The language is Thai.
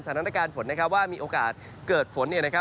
สถานการณ์ฝนนะครับว่ามีโอกาสเกิดฝนเนี่ยนะครับ